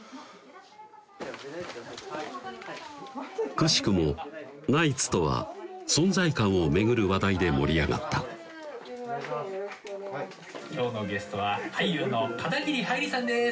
くしくも「ナイツ」とは存在感を巡る話題で盛り上がった今日のゲストは俳優の片桐はいりさんです！